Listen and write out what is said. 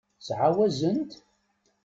Ttɛawazent?